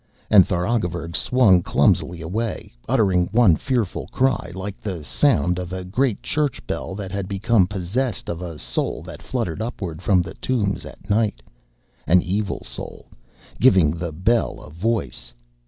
And Tharagavverug swung clumsily away, uttering one fearful cry like the sound of a great church bell that had become possessed of a soul that fluttered upward from the tombs at night an evil soul, giving the bell a voice.